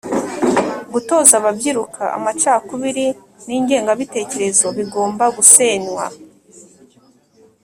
gutoza ababyiruka amacakuri n ingengabitekerezo bigomba gusenywa